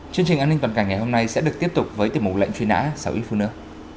chương trình an ninh toàn cảnh ngày hôm nay sẽ được tiếp tục với tiểu mục lệnh truy nã sau ít phút nữa